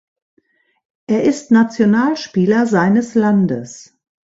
Er ist Nationalspieler seines Landes.